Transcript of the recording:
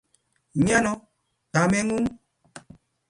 Miano kameng'ung'?